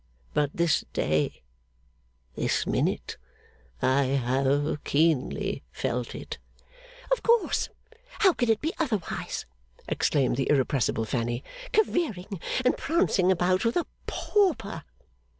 But this day, this minute, I have keenly felt it.' 'Of course! How could it be otherwise?' exclaimed the irrepressible Fanny. 'Careering and prancing about with a Pauper!